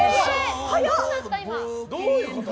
どういうこと？